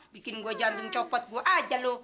bikin gua jantung copot gua aja lo